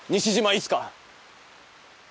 いつか！